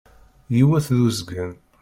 Yiwet d uzgen.